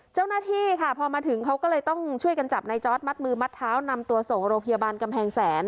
เจ้าหน้าที่ค่ะพอมาถึงเขาก็เลยต้องช่วยกันจับในจอร์ดมัดมือมัดเท้านำตัวส่งโรงพยาบาลกำแพงแสน